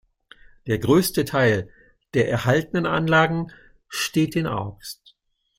Der grösste Teil der erhaltenen Anlagen steht in Augst.